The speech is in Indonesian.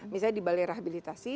misalnya di balai rehabilitasi